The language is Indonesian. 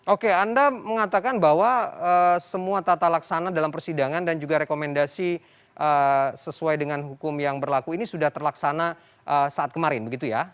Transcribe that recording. oke anda mengatakan bahwa semua tata laksana dalam persidangan dan juga rekomendasi sesuai dengan hukum yang berlaku ini sudah terlaksana saat kemarin begitu ya